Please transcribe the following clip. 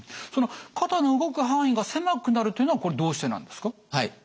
その肩の動く範囲が狭くなるというのはこれどうしてなんですか？